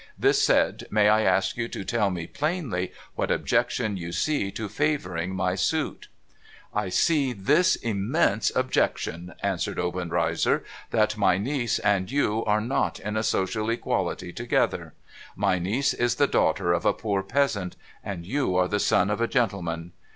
This said, may I ask you to tell me plainly what objection you see to favouring my suit ?'* I see this immense objection,' answered Obenreizer, * that my niece and you are not on a social equality together. My niece is the daughter of a poor peasant ; and you are the son of a gentle man.